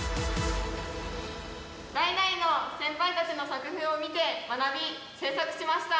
代々の先輩たちの作風を見て学び制作しました。